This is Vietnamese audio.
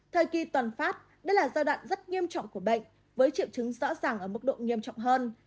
thời kỳ toàn phát đây là giai đoạn rất nghiêm trọng của bệnh với triệu chứng rõ ràng ở mức độ nghiêm trọng hơn